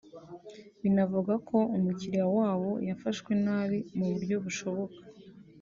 banavuga ko umukiliya wabo yafashwe nabi mu buryo bushoboka